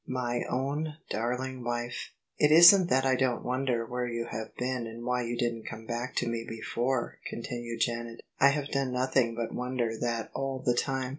" My own darling wife !"" It isn't that I don't wonder where you have been and why you didn't come back to me before," continued Janet :" I have done nothing but wonder that all the time.